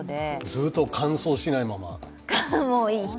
ずっと乾燥しないまま。